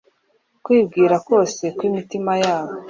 kwibwira kose kw’imitima yabo